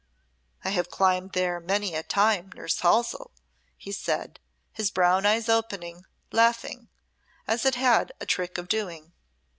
"I have climbed there many a time, Nurse Halsell," he said, his brown eye opening, laughing, as it had a trick of doing.